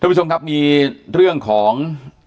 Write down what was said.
ผู้ชมครับมีเรื่องของ